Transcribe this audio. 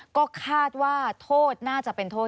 ก็คาดว่าโทษน่าจะเป็นโทษ